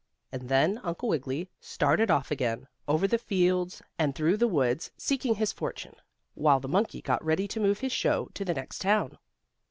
And then Uncle Wiggily started off again, over the fields and through the woods, seeking his fortune, while the monkey got ready to move his show to the next town.